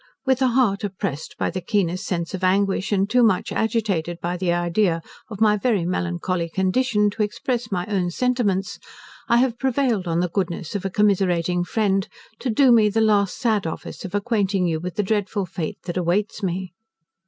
"With a heart oppressed by the keenest sense of anguish, and too much agitated by the idea of my very melancholy condition, to express my own sentiments, I have prevailed on the goodness of a commiserating friend, to do me the last sad office of acquainting you with the dreadful fate that awaits me.